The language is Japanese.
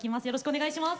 お願いいたします。